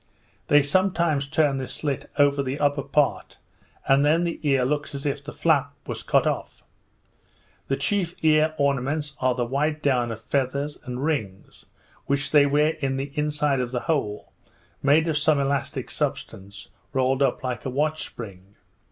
They sometimes turn this slit over the upper part, and then the ear looks as if the flap was cut off. The chief ear ornaments are the white down of feathers, and rings, which they wear in the inside of the hole, made of some elastic substance, rolled up like a watch spring.